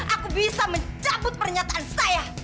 aku bisa mencabut pernyataan saya